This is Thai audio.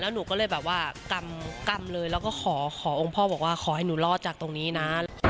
หนูก็เลยแบบว่ากำเลยแล้วก็ขอองค์พ่อบอกว่าขอให้หนูรอดจากตรงนี้นะ